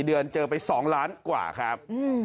เดือนเจอไป๒ล้านกว่าครับ